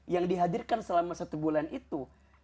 yang dihadirkan selama satu bulan itu